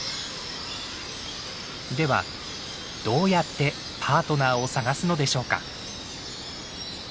ではどうやってパートナーを探すのでしょうか？